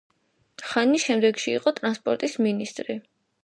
ხანი შემდეგში იყო ტრანსპორტის მინისტრი.